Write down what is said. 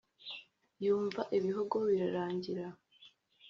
yumva ibihogo birangira